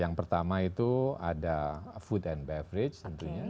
yang pertama itu ada food and beverage tentunya